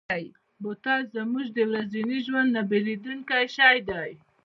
بوتل زموږ د ورځني ژوند نه بېلېدونکی شی دی.